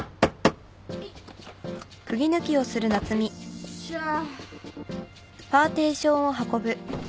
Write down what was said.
よっしゃあ！